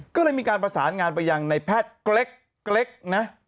ก็เลยมีการประสานงานไปยังในแพทย์เกร็กนะ